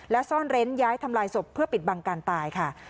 และซ่อนเร้นย้ายทำลายศพเพื่อปิดบังการตายค่ะ